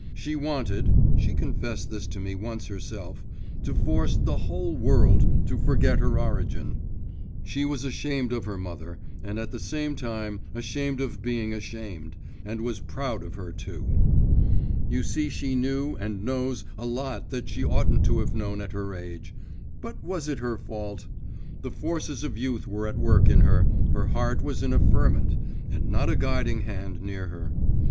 She wanted (she confessed this to me once herself), to force the whole world to forget her origin; she was ashamed of her mother, and at the same time ashamed of being ashamed, and was proud of her too. You see she knew and knows a lot that she oughtn't to have known at her age.… But was it her fault? The forces of youth were at work in her, her heart was in a ferment, and not a guiding hand near her.